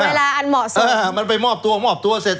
อันเหมาะสมอ่ามันไปมอบตัวมอบตัวเสร็จ